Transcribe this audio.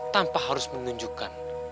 tanpa harus menunjukkan